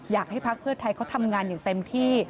อยากให้พักเพื่อไทยเขาทำงานอย่างเต็มที่